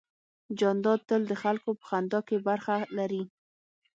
جانداد تل د خلکو په خندا کې برخه لري.